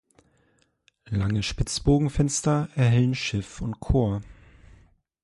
Lange Spitzbogenfenster erhellen Schiff und Chor.